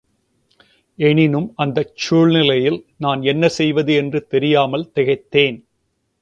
எனினும் அந்தச் சூழ்நிலையில் நான் என்ன செய்வது என்று தெரியாமல் திகைத்தேன்.